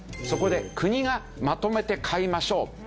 そこで国が「まとめて買いましょう」